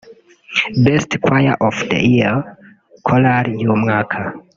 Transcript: Best Choir of the year (Korali y’umwaka)